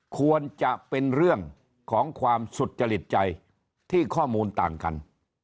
ควรจะเป็นเรื่องของความสุจริตใจที่ข้อมูลต่างกัน